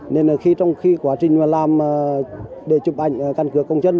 nên là khi trong khi quá trình mà làm để chụp ảnh căn cứ công dân